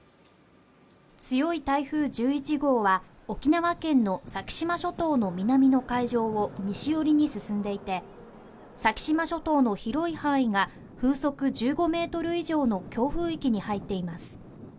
強い台風１１号は沖縄県の先島諸島の南の海上を西寄りに進んでいて、先島諸島の広い範囲が風速１５メートル以上の強風域に入っています。